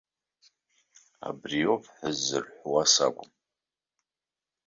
Абри иоуп ҳәа ззырҳәуа сакәым.